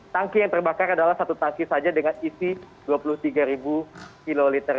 tangki yang terbakar adalah satu tangki saja dengan isi dua puluh tiga kiloliter